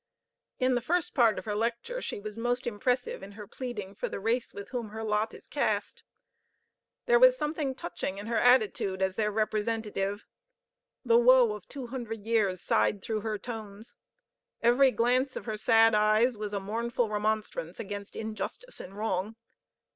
In the first part of her lecture she was most impressive in her pleading for the race with whom her lot is cast. There was something touching in her attitude as their representative. The woe of two hundred years sighed through her tones. Every glance of her sad eyes was a mournful remonstrance against injustice and wrong.